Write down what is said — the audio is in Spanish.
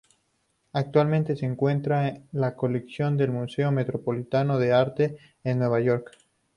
Actualmente se encuentra en la colección del Museo Metropolitano de Arte en Nueva York.